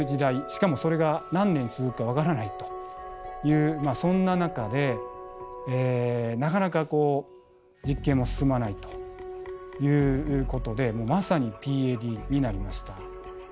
しかもそれが何年続くか分からないというそんな中でなかなか実験も進まないということでまさにＰＡＤになりました。